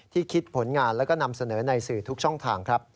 ที่คิดผลงานและนำเสนอในสื่อทุกช่องทาง